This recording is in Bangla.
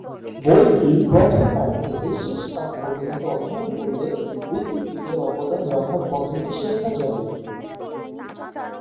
বইটির প্রথম পাঠ থেকে শেষ পাঠ পর্যন্ত অধ্যয়ন করলে উইকিপিডিয়ায় অবদান রাখার পদ্ধতি শেখা যাবে।